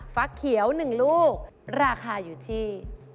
ฟักเขียว๑ลูกราคาอยู่ที่